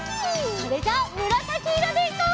それじゃあむらさきいろでいこう！